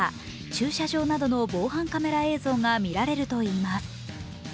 駐車場などの防犯カメラ映像が見られるといいます。